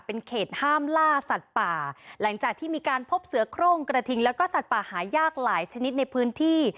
เป็นเขตห้ามล่าสัตว์ป่าหลังจากที่มีการพบเสือโครงกระทิงแล้วก็สัตว์ป่าหายากหลายชนิดในพื้นที่